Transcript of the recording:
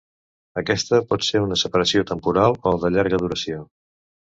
Aquesta pot ser una separació temporal o de llarga duració.